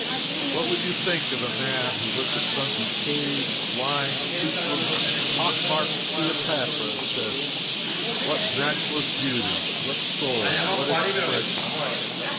What would you think of a man who looked at some decayed, blind, toothless, pock marked Cleopatra, and said: "What matchless beauty! What soul! What expression!"